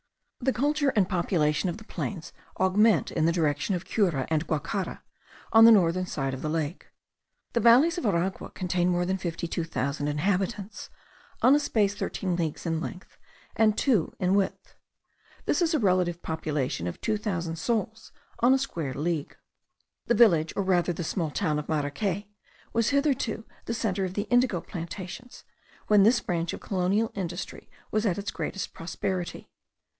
The culture and population of the plains augment in the direction of Cura and Guacara, on the northern side of the lake. The valleys of Aragua contain more than 52,000 inhabitants, on a space thirteen leagues in length, and two in width. This is a relative population of two thousand souls on a square league. The village or rather the small town of Maracay was heretofore the centre of the indigo plantations, when this branch of colonial industry was in its greatest prosperity.